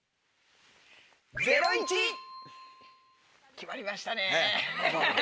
決まりましたね。